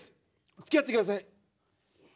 つきあって下さい。